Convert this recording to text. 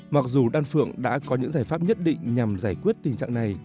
mặc dù đan phượng đã có những giải pháp nhất định nhằm giải quyết tình trạng này